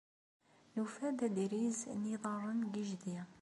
Nufa-d adriz n yiḍarren deg yejdi.